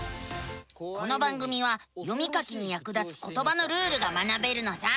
この番組は読み書きにやく立つことばのルールが学べるのさ。